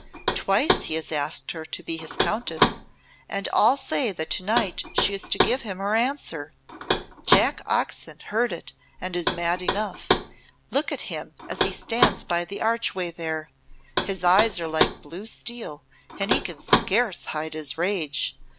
"Twice he has asked her to be his Countess, and all say that to night she is to give him her answer. Jack Oxon has heard it and is mad enough. Look at him as he stands by the archway there. His eyes are like blue steel and he can scarce hide his rage.